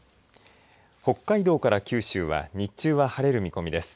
北海道から九州は日中は晴れる見込みです。